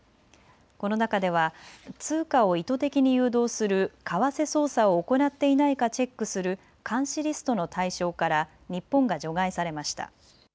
この中では通貨を意図的に誘導する為替操作を行っていないかチェックする監視リストの対象から日本が除外されました。